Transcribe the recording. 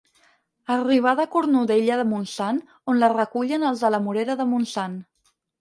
Arribada a Cornudella de Montsant, on la recullen els de la Morera de Montsant.